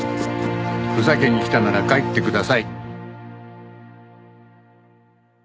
ふざけに来たなら帰ってください。